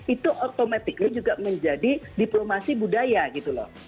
itu otomatis juga menjadi diplomasi budaya gitu loh